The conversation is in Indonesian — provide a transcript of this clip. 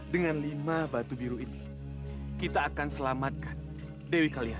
dengan lima batu biru ini kita akan selamatkan dewi kalian